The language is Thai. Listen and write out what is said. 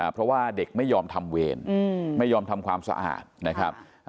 เพราะว่าเด็กไม่ยอมทำเวรไม่ยอมทำความสะอาดนะครับ